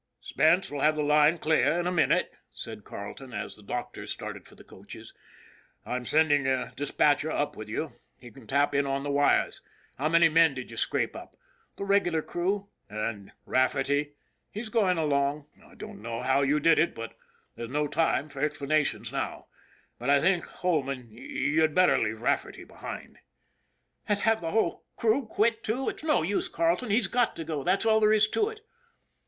" Spence will have the line clear in a minute," said Carleton, as the doctors started for the coaches. " I'm sending a dispatcher up with you ; he can tap in on the wires. How many men did you scrape up ?"' The regular crew." "And Rafferty?" " He's going along." " I don't know how you did it, and there's no time for explanations now ; but I think, Holman, you'd bet ter leave Rafferty behind." RAFFERTY'S RULE 17 " And have the whole crew quit, too ? It's no use, Carleton, he's got to go. That's all there is to it."